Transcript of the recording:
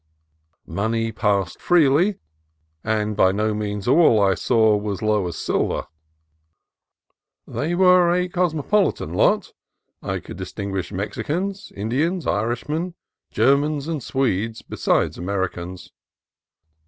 Money passed freely, and by no means all I saw was as low as silver. They were a cosmo politan lot. I could distinguish Mexicans, Indians, Irishmen, Germans, and Swedes, besides Americans.